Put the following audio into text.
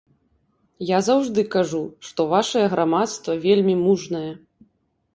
Я заўжды кажу, што вашае грамадства вельмі мужнае.